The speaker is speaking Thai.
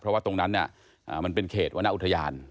เพราะว่าตรงนั้นมันเป็นเขตวรรณอุทยาน